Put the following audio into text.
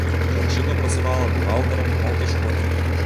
Жанчына працавала бухгалтарам у аўташколе.